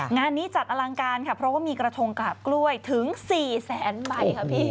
งานนี้จัดอลังการค่ะเพราะว่ามีกระทงกราบกล้วยถึง๔แสนใบค่ะพี่